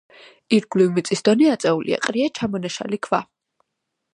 ირგვლივ მიწის დონე აწეულია, ყრია ჩამონაშალი ქვა.